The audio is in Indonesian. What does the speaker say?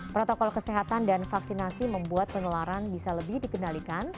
protokol kesehatan dan vaksinasi membuat penularan bisa lebih dikendalikan